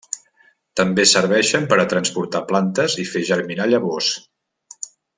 També serveixen per a transportar plantes i fer germinar llavors.